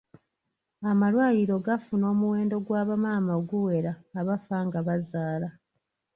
Amalwaliro gafuna omuwendo gwa bamaama oguwera abafa nga bazaala.